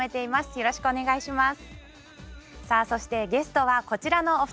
よろしくお願いします。